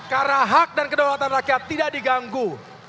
karena hak dan kedaulatan rakyat tidak diganggu